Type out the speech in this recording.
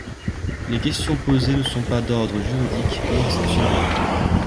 Les questions posées ne sont pas d’ordre juridique ou institutionnel.